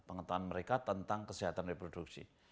pengetahuan mereka tentang kesehatan reproduksi